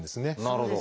なるほど。